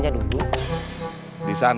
pasti juga kesmaster perang